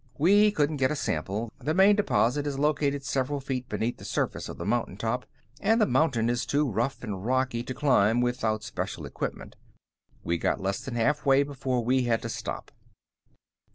We couldn't get a sample; the main deposit is located several feet beneath the surface of the mountaintop, and the mountain is too rough and rocky to climb without special equipment. We got less than halfway before we had to stop."